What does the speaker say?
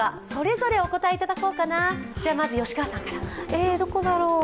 えどこだろう？